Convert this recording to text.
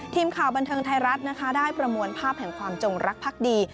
ทีมข่าวบันเทิงไทยรัฐนะคะได้ประมวลภาพแห่งความจงรักพักดี